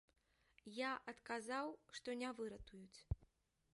Я адказаў, што не выратуюць.